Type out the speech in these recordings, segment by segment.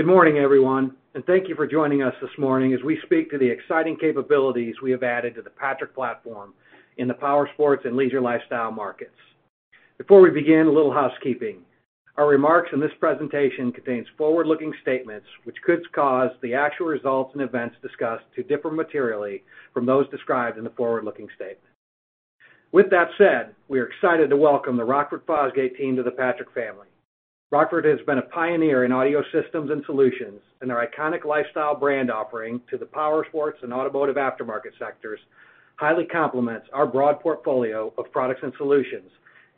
Good morning, everyone, and thank you for joining us this morning as we speak to the exciting capabilities we have added to the Patrick platform in the powersports and leisure lifestyle markets. Before we begin, a little housekeeping. Our remarks in this presentation contains forward-looking statements which could cause the actual results and events discussed to differ materially from those described in the forward-looking statement. With that said, we are excited to welcome the Rockford Fosgate team to the Patrick family. Rockford has been a pioneer in audio systems and solutions, and their iconic lifestyle brand offering to the powersports and automotive aftermarket sectors highly complements our broad portfolio of products and solutions,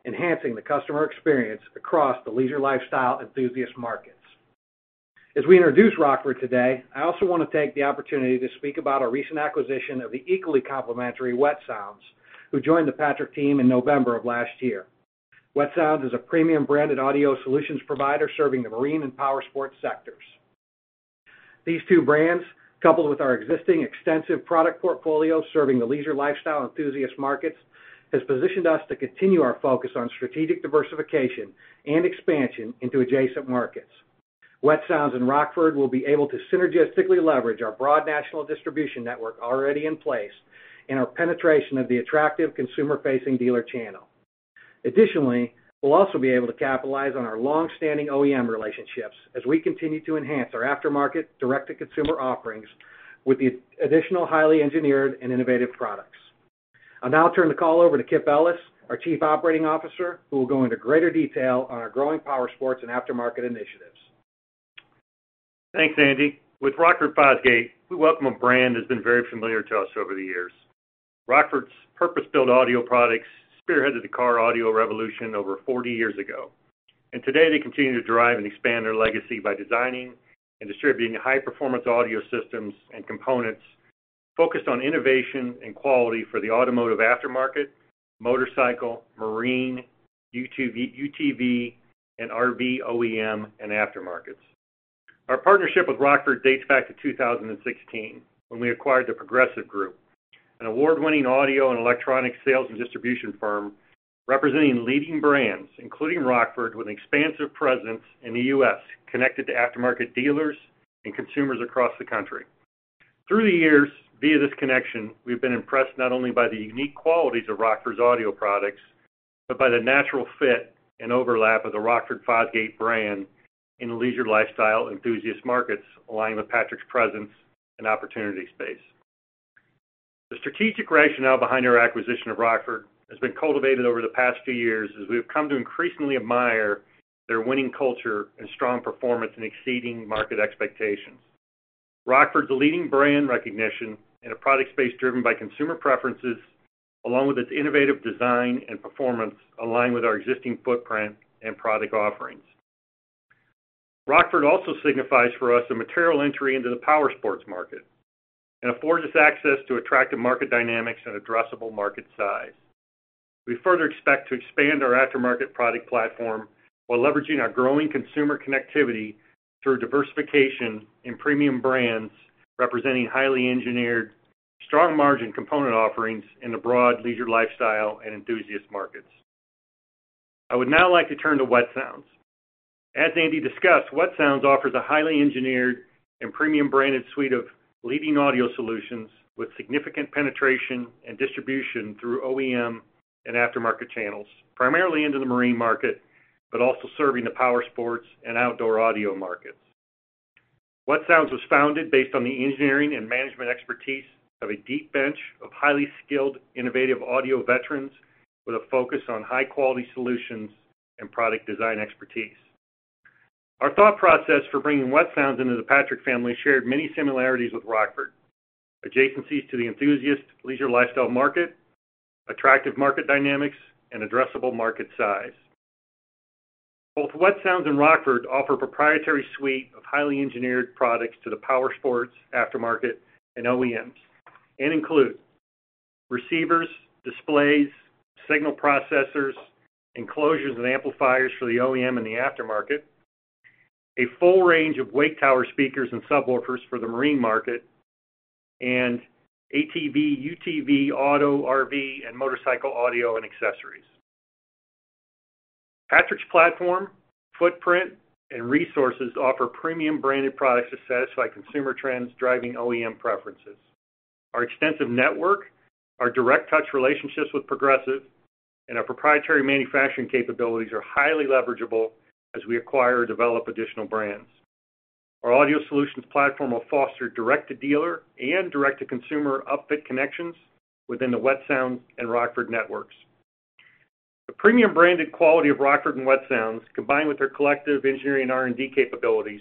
enhancing the customer experience across the leisure lifestyle enthusiast markets. As we introduce Rockford today, I also want to take the opportunity to speak about our recent acquisition of the equally complementary Wet Sounds, who joined the Patrick team in November of last year. Wet Sounds is a premium branded audio solutions provider serving the marine and powersports sectors. These two brands, coupled with our existing extensive product portfolio serving the leisure lifestyle enthusiast markets, has positioned us to continue our focus on strategic diversification and expansion into adjacent markets. Wet Sounds and Rockford will be able to synergistically leverage our broad national distribution network already in place and our penetration of the attractive consumer-facing dealer channel. Additionally, we'll also be able to capitalize on our long-standing OEM relationships as we continue to enhance our aftermarket direct-to-consumer offerings with the additional highly engineered and innovative products. I'll now turn the call over to Kip Ellis, our Chief Operating Officer, who will go into greater detail on our growing powersports and aftermarket initiatives. Thanks, Andy. With Rockford Fosgate, we welcome a brand that's been very familiar to us over the years. Rockford's purpose-built audio products spearheaded the car audio revolution over 40 years ago. Today, they continue to drive and expand their legacy by designing and distributing high-performance audio systems and components focused on innovation and quality for the automotive aftermarket, motorcycle, marine, UTV, and RV OEM and aftermarkets. Our partnership with Rockford dates back to 2016, when we acquired the Progressive Group, an award-winning audio and electronics sales and distribution firm representing leading brands, including Rockford, with an expansive presence in the U.S. connected to aftermarket dealers and consumers across the country. Through the years, via this connection, we've been impressed not only by the unique qualities of Rockford's audio products, but by the natural fit and overlap of the Rockford Fosgate brand in leisure lifestyle enthusiast markets align with Patrick's presence and opportunity space. The strategic rationale behind our acquisition of Rockford has been cultivated over the past few years as we have come to increasingly admire their winning culture and strong performance in exceeding market expectations. Rockford's a leading brand recognition in a product space driven by consumer preferences, along with its innovative design and performance align with our existing footprint and product offerings. Rockford also signifies for us a material entry into the powersports market and affords us access to attractive market dynamics and addressable market size. We further expect to expand our aftermarket product platform while leveraging our growing consumer connectivity through diversification in premium brands, representing highly engineered, strong margin component offerings in the broad leisure lifestyle and enthusiast markets. I would now like to turn to Wet Sounds. As Andy discussed, Wet Sounds offers a highly engineered and premium branded suite of leading audio solutions with significant penetration and distribution through OEM and aftermarket channels, primarily into the marine market, but also serving the powersports and outdoor audio markets. Wet Sounds was founded based on the engineering and management expertise of a deep bench of highly skilled, innovative audio veterans with a focus on high-quality solutions and product design expertise. Our thought process for bringing Wet Sounds into the Patrick family shared many similarities with Rockford, adjacencies to the enthusiast leisure lifestyle market, attractive market dynamics, and addressable market size. Both Wet Sounds and Rockford offer proprietary suite of highly engineered products to the powersports, aftermarket, and OEMs, and include receivers, displays, signal processors, enclosures and amplifiers for the OEM and the aftermarket, a full range of wake tower speakers and subwoofers for the marine market, and ATV, UTV, Auto, RV, and motorcycle audio and accessories. Patrick's platform, footprint, and resources offer premium branded products to satisfy consumer trends driving OEM preferences. Our extensive network, our direct touch relationships with Progressive, and our proprietary manufacturing capabilities are highly leverageable as we acquire or develop additional brands. Our audio solutions platform will foster direct-to-dealer and direct-to-consumer upfit connections within the Wet Sounds and Rockford networks. The premium branded quality of Rockford and Wet Sounds, combined with their collective engineering R&D capabilities,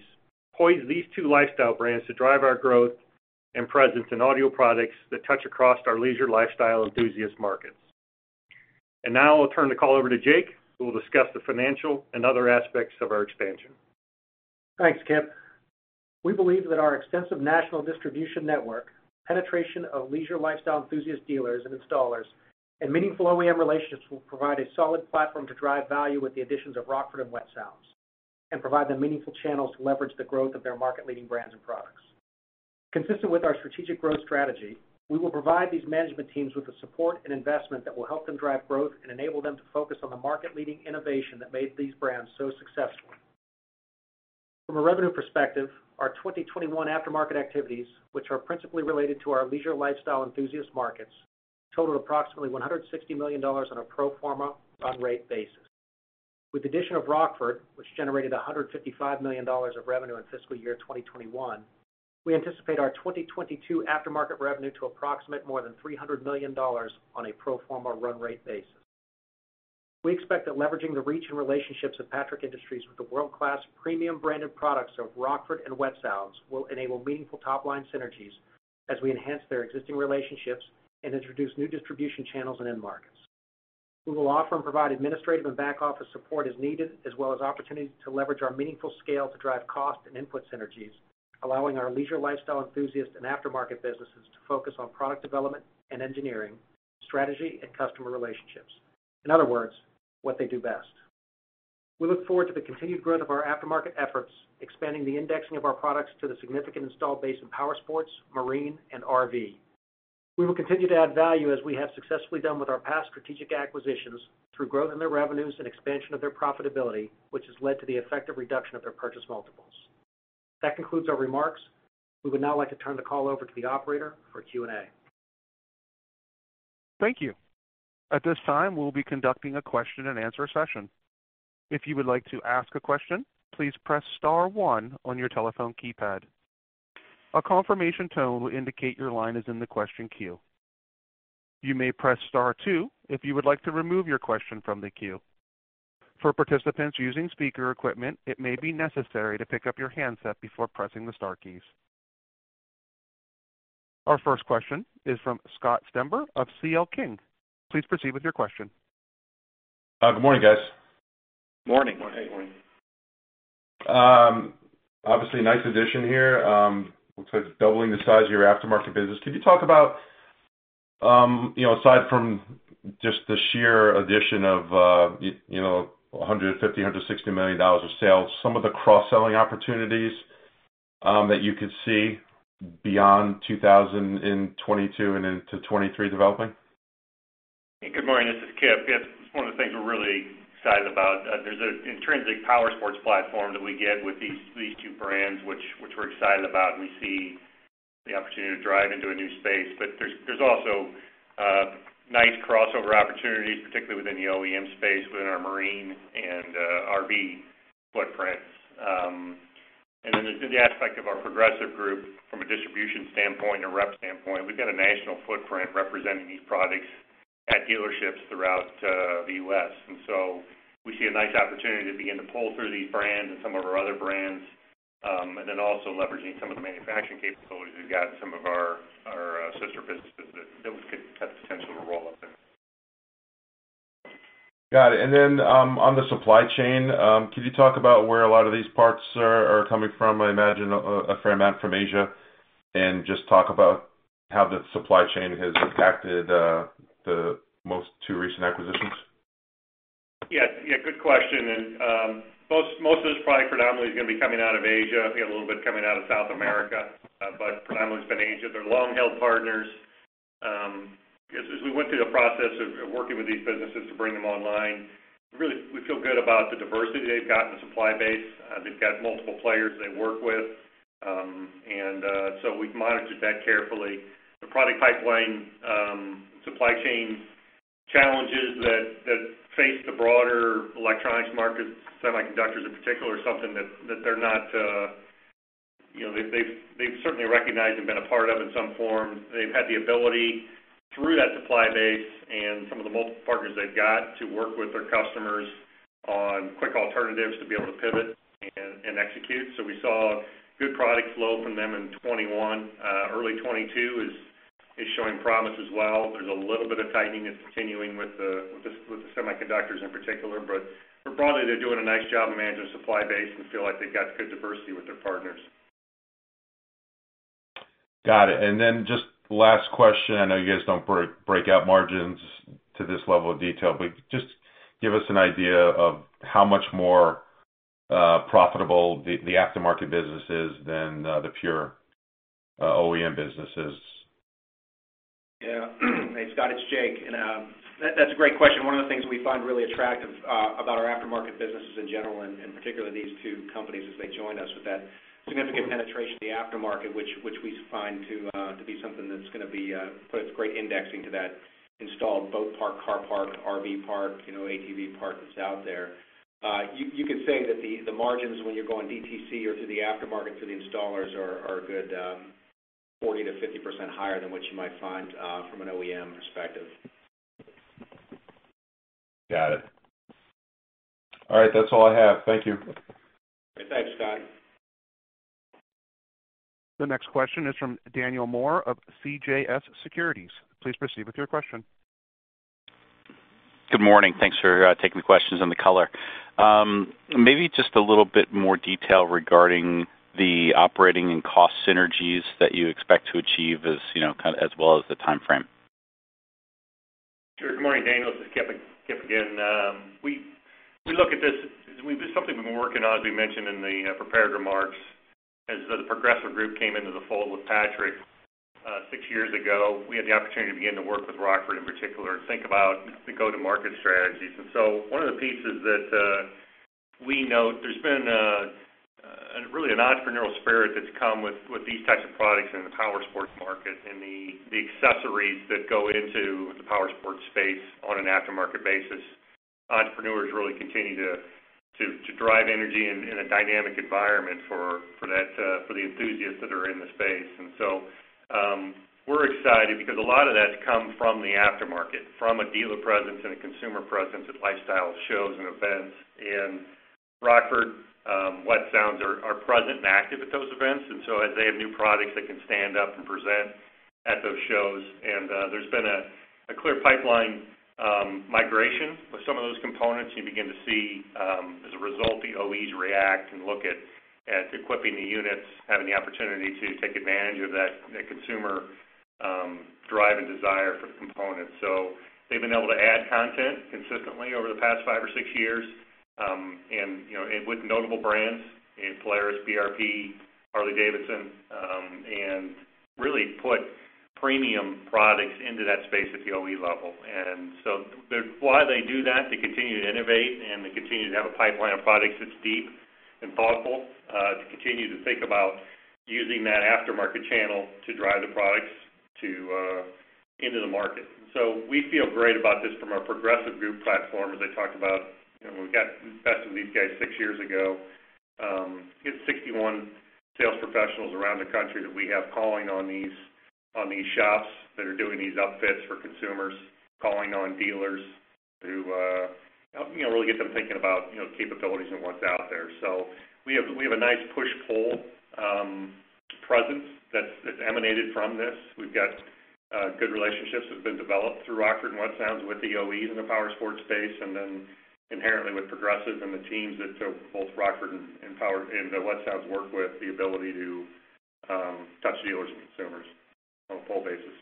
poise these two lifestyle brands to drive our growth and presence in audio products that touch across our leisure lifestyle enthusiast markets. Now I'll turn the call over to Jake, who will discuss the financial and other aspects of our expansion. Thanks, Kip. We believe that our extensive national distribution network, penetration of leisure lifestyle enthusiast dealers and installers, and meaningful OEM relationships will provide a solid platform to drive value with the additions of Rockford and Wet Sounds and provide them meaningful channels to leverage the growth of their market-leading brands and products. Consistent with our strategic growth strategy, we will provide these management teams with the support and investment that will help them drive growth and enable them to focus on the market-leading innovation that made these brands so successful. From a revenue perspective, our 2021 aftermarket activities, which are principally related to our leisure lifestyle enthusiast markets, totaled approximately $160 million on a pro forma run rate basis. With the addition of Rockford, which generated $155 million of revenue in fiscal year 2021, we anticipate our 2022 aftermarket revenue to approximate more than $300 million on a pro forma run rate basis. We expect that leveraging the reach and relationships of Patrick Industries with the world-class premium branded products of Rockford and Wet Sounds will enable meaningful top-line synergies as we enhance their existing relationships and introduce new distribution channels and end markets. We will offer and provide administrative and back office support as needed as well as opportunities to leverage our meaningful scale to drive cost and input synergies, allowing our leisure lifestyle enthusiast and aftermarket businesses to focus on product development and engineering, strategy, and customer relationships. In other words, what they do best. We look forward to the continued growth of our aftermarket efforts, expanding the indexing of our products to the significant installed base in powersports, marine, and RV. We will continue to add value as we have successfully done with our past strategic acquisitions through growth in their revenues and expansion of their profitability, which has led to the effective reduction of their purchase multiples. That concludes our remarks. We would now like to turn the call over to the operator for Q&A. Thank you. At this time, we'll be conducting a question and answer session. If you would like to ask a question, please press star one on your telephone keypad. A confirmation tone will indicate your line is in the question queue. You may press star two if you would like to remove your question from the queue. For participants using speaker equipment, it may be necessary to pick up your handset before pressing the star keys. Our first question is from Scott Stember of CL King. Please proceed with your question. Good morning, guys. Morning. Morning. Obviously nice addition here. Looks like doubling the size of your aftermarket business. Can you talk about, you know, aside from just the sheer addition of, you know, $160 million of sales, some of the cross-selling opportunities, that you could see beyond 2022 and into 2023 developing? Good morning. This is Kip. Yeah, it's one of the things we're really excited about. There's an intrinsic powersports platform that we get with these two brands, which we're excited about, and we see the opportunity to drive into a new space. There's also nice crossover opportunities, particularly within the OEM space, within our marine and RV footprints. There's the aspect of our Progressive Group from a distribution standpoint and a rep standpoint. We've got a national footprint representing these products at dealerships throughout the U.S. We see a nice opportunity to begin to pull through these brands and some of our other brands, and then also leveraging some of the manufacturing capabilities we've got in some of our sister businesses that we could have potential to roll up in. Got it. On the supply chain, could you talk about where a lot of these parts are coming from? I imagine a fair amount from Asia. Just talk about how the supply chain has impacted the most two recent acquisitions. Yeah, good question. Most of it is probably predominantly gonna be coming out of Asia. I think a little bit coming out of South America, but predominantly it's been Asia. They're long-held partners. As we went through the process of working with these businesses to bring them online, really we feel good about the diversity they've got in the supply base. They've got multiple players they work with. We've monitored that carefully. The product pipeline, supply chain challenges that face the broader electronics market, semiconductors in particular, is something, you know, they've certainly recognized and been a part of in some form. They've had the ability through that supply base and some of the multiple partners they've got to work with their customers on quick alternatives to be able to pivot and execute. We saw good product flow from them in 2021. Early 2022 is showing promise as well. There's a little bit of tightening that's continuing with the semiconductors in particular. More broadly, they're doing a nice job of managing the supply base and feel like they've got good diversity with their partners. Got it. Just last question. I know you guys don't break out margins to this level of detail, but just give us an idea of how much more profitable the aftermarket business is than the pure OEM business is? Yeah. Hey, Scott, it's Jake. That's a great question. One of the things we find really attractive about our aftermarket businesses in general and particularly these two companies as they join us, with that significant penetration in the aftermarket, which we find to be something that puts great indexing to that installed boat park, car park, RV park, you know, ATV park that's out there. You could say that the margins when you're going DTC or to the aftermarket to the installers are a good 40%-50% higher than what you might find from an OEM perspective. Got it. All right. That's all I have. Thank you. Thanks, Scott. The next question is from Daniel Moore of CJS Securities. Please proceed with your question. Good morning. Thanks for taking the questions and the color. Maybe just a little bit more detail regarding the operating and cost synergies that you expect to achieve as, you know, kind of as well as the timeframe. Sure. Good morning, Daniel. This is Kip again. We look at this. This is something we've been working on, as we mentioned in the prepared remarks. As The Progressive Group came into the fold with Patrick six years ago, we had the opportunity to begin to work with Rockford Fosgate in particular and think about the go-to-market strategies. One of the pieces that we know, there's been really an entrepreneurial spirit that's come with these types of products in the powersports market and the accessories that go into the powersports space on an aftermarket basis. Entrepreneurs really continue to drive energy in a dynamic environment for that, for the enthusiasts that are in the space. We're excited because a lot of that's come from the aftermarket, from a dealer presence and a consumer presence at lifestyle shows and events. Rockford, Wet Sounds are present and active at those events. As they have new products, they can stand up and present at those shows. There's been a clear pipeline migration with some of those components. You begin to see, as a result, the OEMs react and look at equipping the units, having the opportunity to take advantage of that consumer drive and desire for the components. They've been able to add content consistently over the past five or six years, and you know, with notable brands in Polaris, BRP, Harley-Davidson, and really put premium products into that space at the OEM level. Why they do that, to continue to innovate and to continue to have a pipeline of products that's deep and thoughtful, to continue to think about using that aftermarket channel to drive the products to, into the market. We feel great about this from our Progressive Group platform, as I talked about. We invested with these guys six years ago. I think 61 sales professionals around the country that we have calling on these shops that are doing these upfits for consumers, calling on dealers to help, you know, really get them thinking about, you know, capabilities and what's out there. We have a nice push-pull presence that's emanated from this. We've got good relationships that have been developed through Rockford and Wet Sounds with the OEMs in the powersports space, and then inherently with Progressive and the teams that both Rockford and Wet Sounds work with, the ability to touch dealers and consumers on a full basis.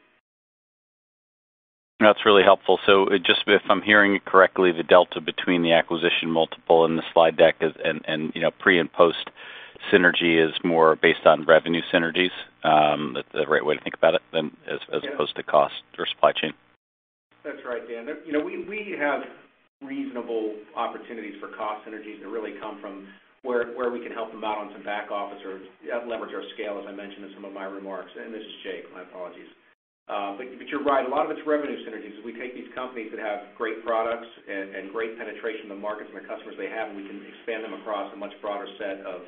No, that's really helpful. Just if I'm hearing correctly, the delta between the acquisition multiple and the slide deck is and you know, pre and post-synergy is more based on revenue synergies, the right way to think about it than as opposed to cost or supply chain? That's right, Dan. You know, we have reasonable opportunities for cost synergies that really come from where we can help them out on some back office or leverage our scale, as I mentioned in some of my remarks. This is Jake, my apologies. But you're right. A lot of it's revenue synergies. We take these companies that have great products and great penetration in the markets and the customers they have, and we can expand them across a much broader set of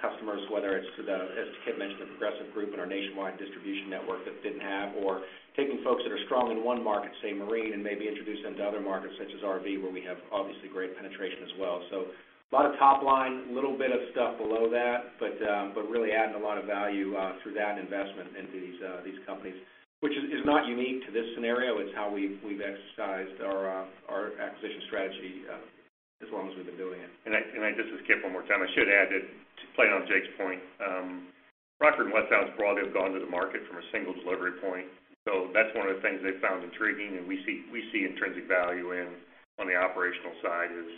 customers, whether it's to the, as Kip mentioned, the Progressive Group and our nationwide distribution network that didn't have, or taking folks that are strong in one market, say marine, and maybe introduce them to other markets such as RV, where we have obviously great penetration as well. A lot of top line, little bit of stuff below that, but really adding a lot of value through that investment into these companies, which is not unique to this scenario. It's how we've exercised our acquisition strategy as long as we've been doing it. This is Kip one more time. I should add that to play on Jake's point, Rockford and Wet Sounds broadly have gone to the market from a single delivery point. That's one of the things they found intriguing, and we see intrinsic value in on the operational side is,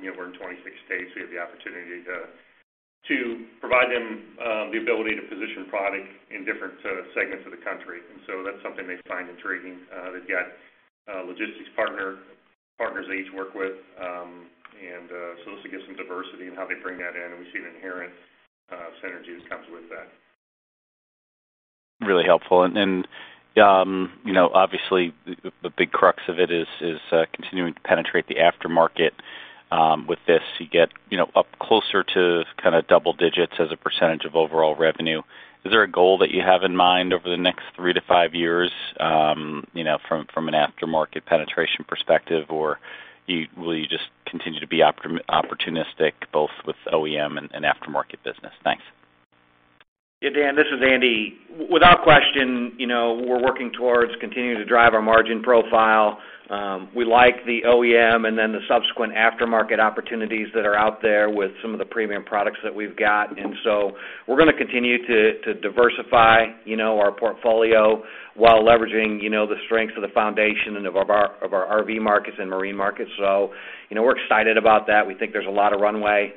you know, we're in 26 states, we have the opportunity to provide them the ability to position product in different segments of the country. That's something they find intriguing. They've got a logistics partner, partners they each work with, and so this will give some diversity in how they bring that in, and we see an inherent synergies comes with that. Really helpful. You know, obviously the big crux of it is continuing to penetrate the aftermarket. With this, you get, you know, up closer to kinda double digits as a percentage of overall revenue. Is there a goal that you have in mind over the next three to five years, you know, from an aftermarket penetration perspective? Or will you just continue to be opportunistic both with OEM and aftermarket business? Thanks. Yeah, Dan, this is Andy. Without question, you know, we're working towards continuing to drive our margin profile. We like the OEM and then the subsequent aftermarket opportunities that are out there with some of the premium products that we've got. We're gonna continue to diversify, you know, our portfolio while leveraging, you know, the strengths of the foundation and of our RV markets and marine markets. You know, we're excited about that. We think there's a lot of runway.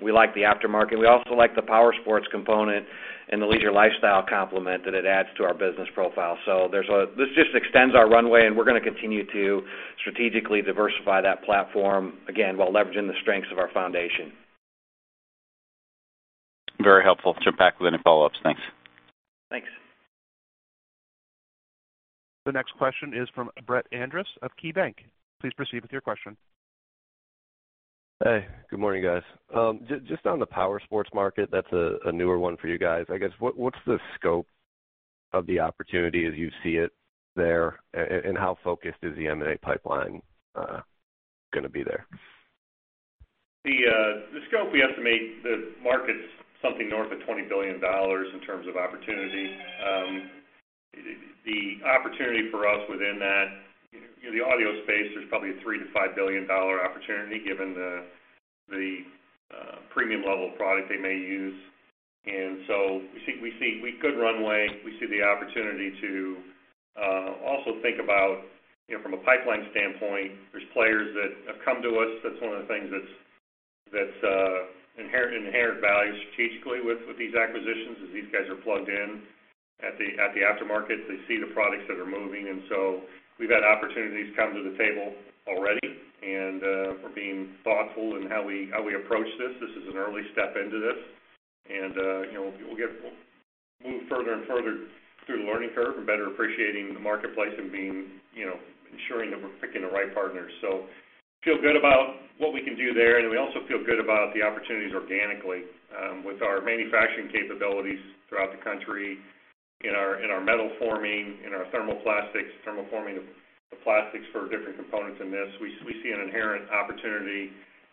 We like the aftermarket. We also like the powersports component and the leisure lifestyle complement that it adds to our business profile. This just extends our runway, and we're gonna continue to strategically diversify that platform, again, while leveraging the strengths of our foundation. Very helpful. Jump back with any follow-ups. Thanks. Thanks. The next question is from Brett Andress of KeyBanc. Please proceed with your question. Hey, good morning, guys. Just on the powersports market, that's a newer one for you guys, I guess. What's the scope of the opportunity as you see it there? How focused is the M&A pipeline gonna be there? The scope, we estimate the market's something north of $20 billion in terms of opportunity. The opportunity for us within that, you know, the audio space, there's probably a $3 to 5 billion opportunity given the premium level of product they may use. We see good runway. We see the opportunity to also think about, you know, from a pipeline standpoint, there's players that have come to us. That's one of the things that's inherent value strategically with these acquisitions, is these guys are plugged in at the aftermarket. They see the products that are moving. We've had opportunities come to the table already, and we're being thoughtful in how we approach this. This is an early step into this. You know, we'll move further and further through the learning curve, better appreciating the marketplace and, you know, ensuring that we're picking the right partners. We feel good about what we can do there, and we also feel good about the opportunities organically with our manufacturing capabilities throughout the country in our metal forming, in our thermoplastics, thermal forming of plastics for different components in this. We see an inherent opportunity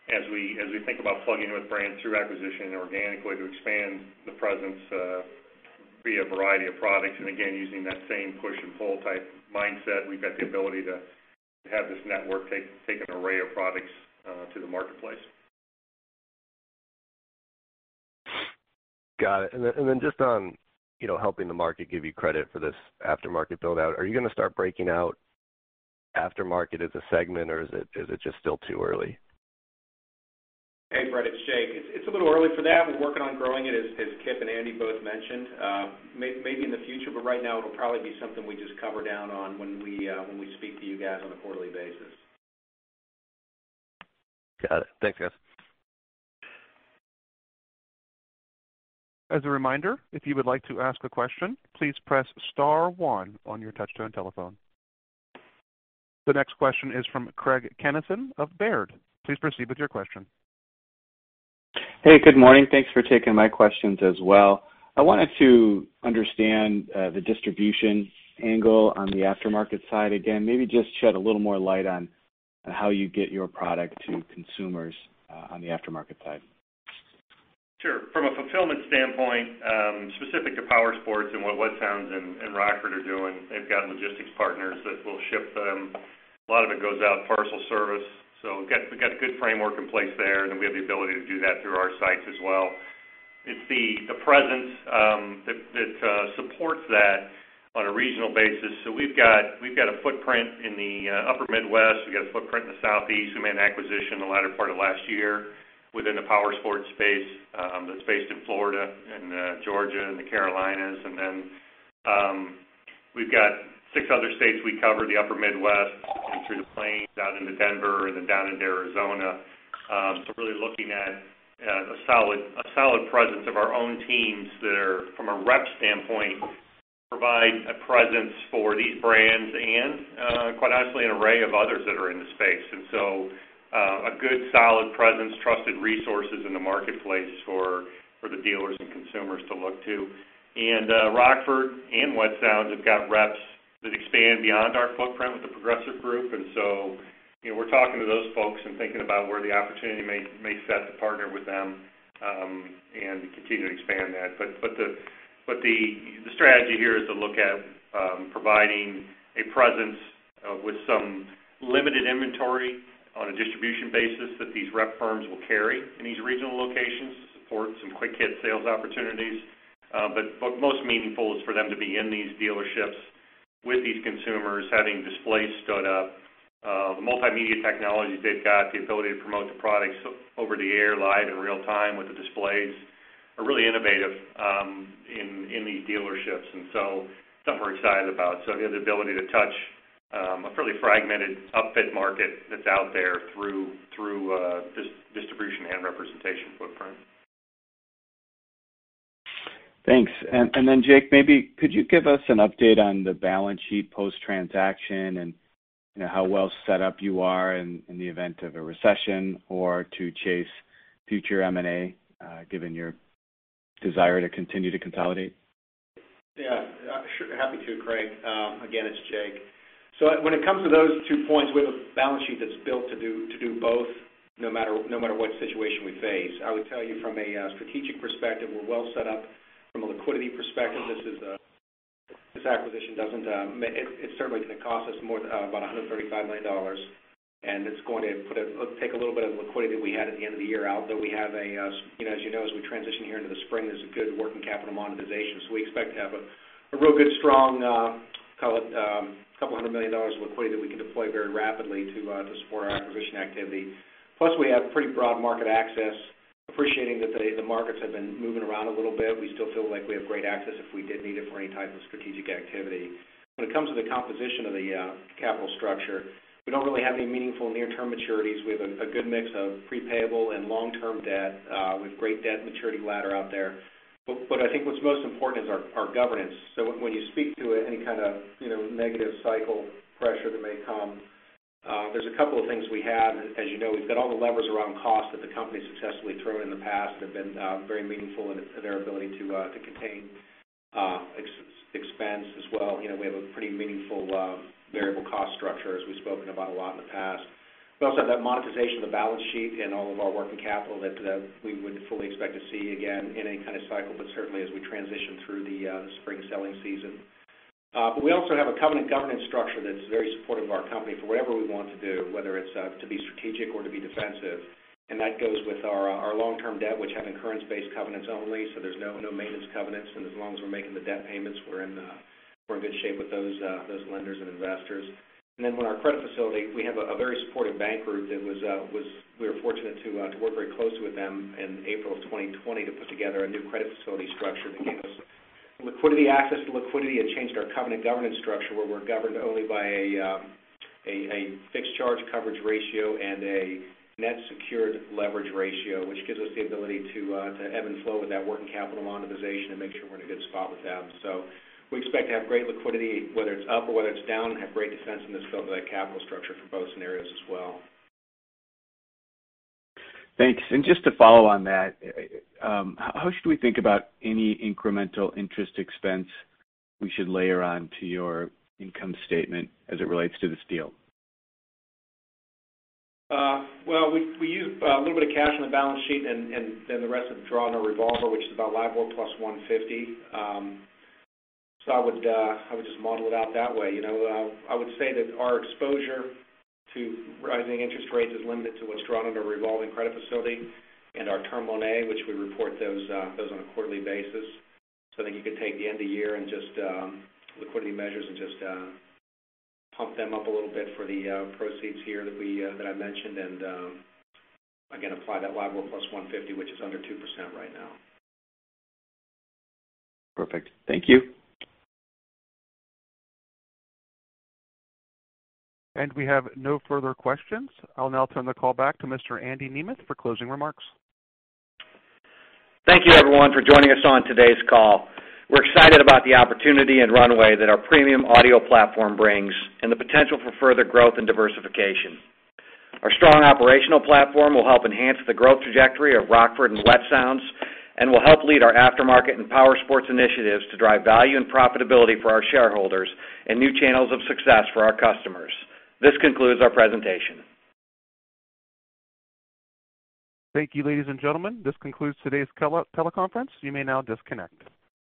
as we think about plugging in with brands through acquisition and organically to expand the presence via variety of products. Again, using that same push and pull type mindset, we've got the ability to have this network take an array of products to the marketplace. Got it. Just on, you know, helping the market give you credit for this aftermarket build out, are you gonna start breaking out aftermarket as a segment, or is it just still too early? Hey, Brett, it's Jake. It's a little early for that. We're working on growing it, as Kip and Andy both mentioned. Maybe in the future, but right now it'll probably be something we just cover down on when we speak to you guys on a quarterly basis. Got it. Thanks, guys. As a reminder, if you would like to ask a question, please press star one on your touchtone telephone. The next question is from Craig Kennison of Baird. Please proceed with your question. Hey, good morning. Thanks for taking my questions as well. I wanted to understand the distribution angle on the aftermarket side again. Maybe just shed a little more light on how you get your product to consumers on the aftermarket side. Sure. From a fulfillment standpoint, specific to powersports and what Wet Sounds and Rockford are doing, they've got logistics partners that will ship them. A lot of it goes out parcel service, so we've got a good framework in place there, and then we have the ability to do that through our sites as well. It's the presence that supports that on a regional basis. We've got a footprint in the upper Midwest. We've got a footprint in the Southeast. We made an acquisition in the latter part of last year within the powersports space that's based in Florida and Georgia and the Carolinas. We've got six other states we cover, the upper Midwest and through the Plains, out into Denver, and then down into Arizona. Really looking at a solid presence of our own teams that are from a rep standpoint provide a presence for these brands and quite honestly an array of others that are in the space. A good solid presence, trusted resources in the marketplace for the dealers and consumers to look to. Rockford Fosgate and Wet Sounds have got reps that expand beyond our footprint with the Progressive Group. You know, we're talking to those folks and thinking about where the opportunity may set to partner with them and continue to expand that. The strategy here is to look at providing a presence with some limited inventory on a distribution basis that these rep firms will carry in these regional locations to support some quick hit sales opportunities. Most meaningful is for them to be in these dealerships with these consumers, having displays stood up. The multimedia technologies they've got, the ability to promote the products over the air live in real time with the displays are really innovative in these dealerships. Something we're excited about. You have the ability to touch a fairly fragmented upfit market that's out there through distribution and representation footprint. Thanks. Jake, maybe could you give us an update on the balance sheet post-transaction and, you know, how well set up you are in the event of a recession or to chase future M&A, given your desire to continue to consolidate? Yeah. Sure. Happy to, Craig. Again, it's Jake. When it comes to those two points, we have a balance sheet that's built to do both, no matter what situation we face. I would tell you from a strategic perspective, we're well set up from a liquidity perspective. This acquisition doesn't, it's certainly gonna cost us more, about $135 million, and it's going to take a little bit of liquidity that we had at the end of the year out, though we have a, you know, as you know, as we transition here into the spring, there's a good working capital monetization. We expect to have a real good, strong, call it $200 million of liquidity that we can deploy very rapidly to support our acquisition activity. Plus, we have pretty broad market access. Appreciating that the markets have been moving around a little bit, we still feel like we have great access if we did need it for any type of strategic activity. When it comes to the composition of the capital structure, we don't really have any meaningful near-term maturities. We have a good mix of pre-payable and long-term debt with great debt maturity ladder out there. But I think what's most important is our governance. When you speak to any kind of, you know, negative cycle pressure that may come, there's a couple of things we have. As you know, we've got all the levers around cost that the company's successfully thrown in the past that have been very meaningful in their ability to contain expense as well. You know, we have a pretty meaningful variable cost structure as we've spoken about a lot in the past. We also have that monetization of the balance sheet and all of our working capital that we would fully expect to see again in any kind of cycle, but certainly as we transition through the spring selling season. We also have a covenant governance structure that is very supportive of our company for whatever we want to do, whether it's to be strategic or to be defensive. That goes with our long-term debt, which have incurrence-based covenants only, so there's no maintenance covenants. As long as we're making the debt payments, we're in good shape with those lenders and investors. With our credit facility, we have a very supportive bank group. We were fortunate to work very closely with them in April 2020 to put together a new credit facility structure that gave us liquidity, access to liquidity, and changed our covenant governance structure, where we're governed only by a fixed charge coverage ratio and a net secured leverage ratio, which gives us the ability to ebb and flow with net working capital monetization and make sure we're in a good spot with them. We expect to have great liquidity, whether it's up or whether it's down, have great defense in this field with that capital structure for both scenarios as well. Thanks. Just to follow on that, how should we think about any incremental interest expense we should layer on to your income statement as it relates to this deal? Well, we use a little bit of cash on the balance sheet and the rest is drawn on a revolver, which is about LIBOR plus 150. So I would just model it out that way. You know, I would say that our exposure to rising interest rates is limited to what's drawn under revolving credit facility and our term loan A, which we report those on a quarterly basis. I think you could take the end-of-year liquidity measures and pump them up a little bit for the proceeds here that I mentioned, and again, apply that LIBOR plus 150, which is under 2% right now. Perfect. Thank you. We have no further questions. I'll now turn the call back to Mr. Andy Nemeth for closing remarks. Thank you everyone for joining us on today's call. We're excited about the opportunity and runway that our premium audio platform brings and the potential for further growth and diversification. Our strong operational platform will help enhance the growth trajectory of Rockford and Wet Sounds and will help lead our aftermarket and powersports initiatives to drive value and profitability for our shareholders and new channels of success for our customers. This concludes our presentation. Thank you, ladies and gentlemen. This concludes today's teleconference. You may now disconnect.